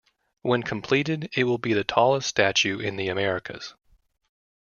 When completed, it will be the tallest statue in the Americas.